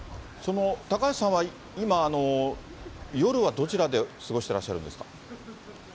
高橋さんは今、夜はどちらで過ごしてらっしゃるんですか。